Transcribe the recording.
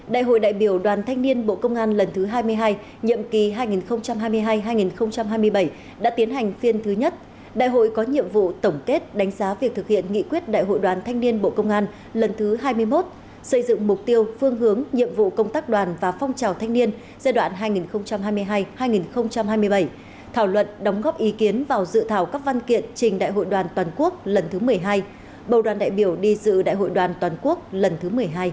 đại hội đã tiến hành phiên thứ nhất đại hội có nhiệm vụ tổng kết đánh giá việc thực hiện nghị quyết đại hội đoàn thanh niên bộ công an lần thứ hai mươi một xây dựng mục tiêu phương hướng nhiệm vụ công tác đoàn và phong trào thanh niên giai đoạn hai nghìn hai mươi hai hai nghìn hai mươi bảy thảo luận đóng góp ý kiến vào dự thảo các văn kiện trình đại hội đoàn toàn quốc lần thứ một mươi hai bầu đoàn đại biểu đi dự đại hội đoàn toàn quốc lần thứ một mươi hai